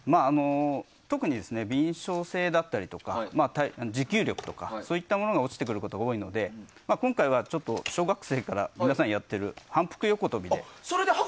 特に、敏しょう性だったり持久力とかそういったものが落ちてくることが多いので今回は小学生から皆さんやっている反復横跳びで。